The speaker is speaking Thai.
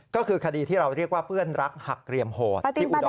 ก็คือคดีที่เรียกว่าอุด่อนคดีปื้นรักหักเรียมโหด